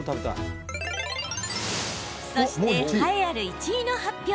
そして、栄えある１位の発表。